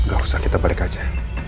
gak usah kita balik aja